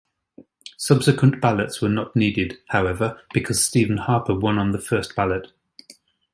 Subsequent ballots were not needed, however, because Stephen Harper won on the first ballot.